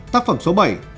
tác phẩm số bảy